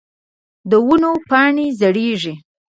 د ونو پاڼی زیړیږې